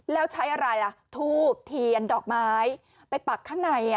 แล้วใช้อะไรล่ะทูบเทียนดอกไม้ไปปักข้างใน